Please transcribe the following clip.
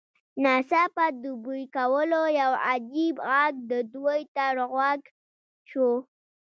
ناڅاپه د بوی کولو یو عجیب غږ د دوی تر غوږ شو